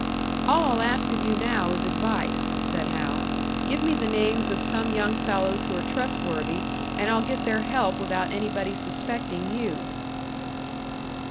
"All I'll ask of you now is advice," said Hal. "Give me the names of some young fellows who are trustworthy, and I'll get their help without anybody suspecting you."